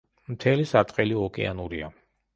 მთელი სარტყელი ოკეანურია.